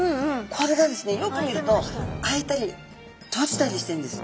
これがですねよく見ると開いたり閉じたりしてるんです。